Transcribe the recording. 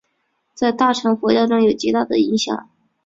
在大乘佛教中有着极大影响。